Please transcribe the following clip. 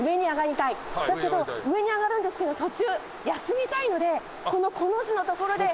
だけど上に上がるんですけど途中休みたいのでこのコの字の所で。